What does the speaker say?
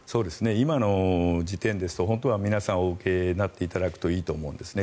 今の時点ですと、本当は皆さんお受けになっていただくといいと思うんですね。